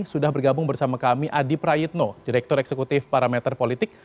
sudah bergabung bersama kami adi prayitno direktur eksekutif parameter politik